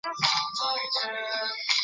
全海笋属为海螂目鸥蛤科下的一个属。